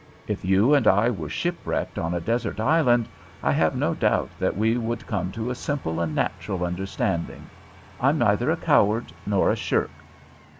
If you and I were shipwrecked on a desert island, I have no doubt that we would come to a simple and natural understanding. I'm neither a coward nor a shirk.